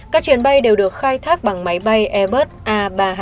các chuyến bay đều được khai thác bằng máy bay airbus a ba trăm hai mươi